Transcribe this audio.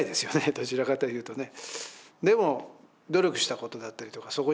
どちらかというとね。